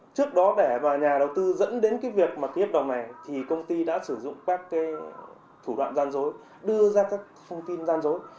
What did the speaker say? trước đó để vào nhà đầu tư dẫn đến cái việc mà ký hợp đồng này thì công ty đã sử dụng các cái thủ đoạn gian dối đưa ra các thông tin gian dối